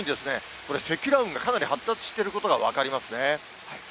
これ、積乱雲がかなり発達してることが分かりますね。